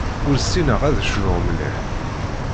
Ur ssineɣ ad cnuɣ mliḥ.